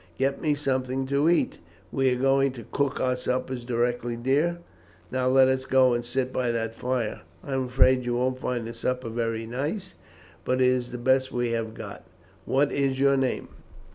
"Get me something to eat." "We are going to cook our suppers directly, dear. Now let us go and sit by that fire. I am afraid you won't find the supper very nice, but it is the best we have got. What is your name?"